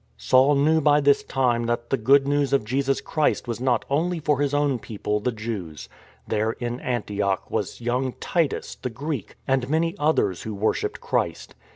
Saul knew by this time that the Good News of Jesus Christ was not only for his own people, the Jews. There in Antioch was young Titus, the Greek, THE QUEEN OF THE EAST 107 and many others who worshipped Christ.